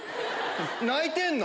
泣いてんの？